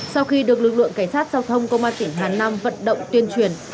sau khi được lực lượng cảnh sát giao thông công an tỉnh hà nam vận động tuyên truyền